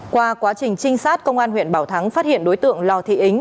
qua quá trình trinh sát công an huyện bảo thắng phát hiện đối tượng lào thị ính